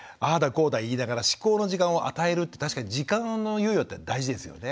こうだ言いながら思考の時間を与えるって確かに時間の猶予って大事ですよね。